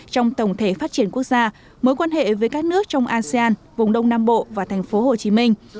trong tổng thể phát triển quốc gia mối quan hệ với các nước trong asean vùng đông nam bộ và thành phố hồ chí minh